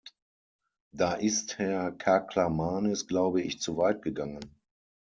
Da ist Herr Kaklamanis, glaube ich, zu weit gegangen.